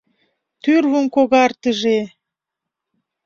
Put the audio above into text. Тӱрвым когартыже!